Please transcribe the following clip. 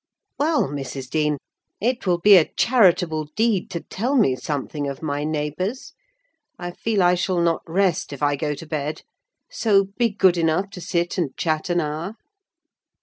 "Well, Mrs. Dean, it will be a charitable deed to tell me something of my neighbours: I feel I shall not rest if I go to bed; so be good enough to sit and chat an hour."